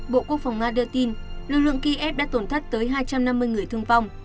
bộ quốc phòng nga đưa tin lực lượng kiev đã tổn thất tới hai trăm năm mươi người thương vong